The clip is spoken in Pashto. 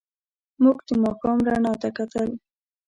موږ د ماښام رڼا ته کتل.